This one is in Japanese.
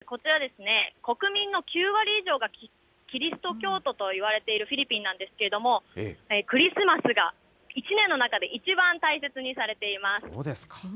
こちら、国民の９割以上がキリスト教徒といわれているフィリピンなんですけれども、クリスマスが一年の中で一番大切にされています。